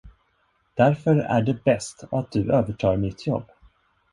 Därför är det bäst att du övertar mitt jobb.